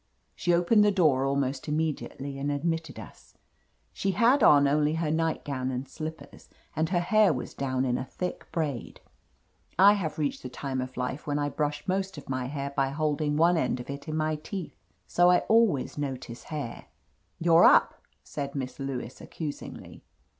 She opened the door almost immediately and admitted us. She had on only her night* gown and slippers, and her hair was down in a thick braid. I have reached the time of life when I brush most of my hair by holding one end of it in my teeth, so I always notice hair. "You're up," said Miss Lewis accusingly.